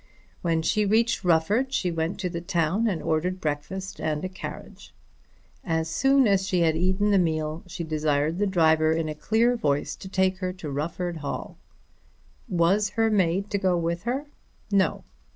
When she reached Rufford she went to the town and ordered breakfast and a carriage. As soon as she had eaten the meal she desired the driver in a clear voice to take her to Rufford Hall. Was her maid to go with her? No.